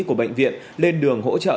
của bệnh viện lên đường hỗ trợ